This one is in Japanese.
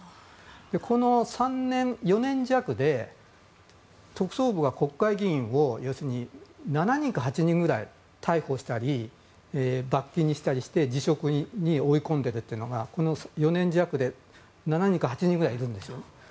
この３年、４年弱で特捜部は国会議員を７人か８人くらい逮捕したり罰金にしたりして辞職に追い込んでるというのがこの４年弱で７人か８人くらいいるんですよ。